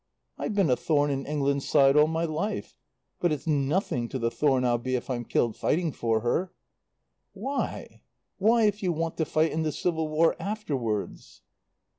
"I've been a thorn in England's side all my life. But it's nothing to the thorn I'll be if I'm killed fighting for her." "Why why if you want to fight in the civil war afterwards?"